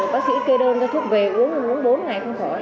bác sĩ kê đơn cho thuốc về uống bốn ngày không khỏi